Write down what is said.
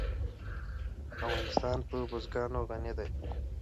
افغانستان په بزګان غني دی.